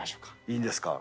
いいんですか？